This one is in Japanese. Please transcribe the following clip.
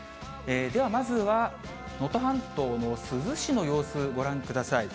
ではまずは、能登半島の珠洲市の様子、ご覧ください。